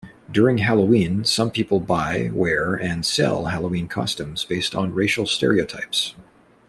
During Halloween, some people buy, wear, and sell Halloween costumes based on racial stereotypes.